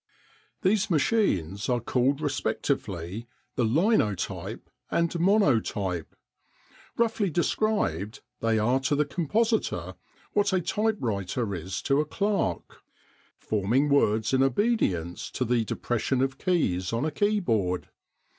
These machines are called respectively the Linotype and Monotype. Roughly described, they are to the compositor what a typewriter is to a clerk forming words in obedience to the depression of keys on a keyboard.